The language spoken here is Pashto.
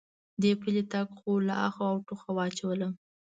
دې پلی تګ خو له آخه او ټوخه واچولم.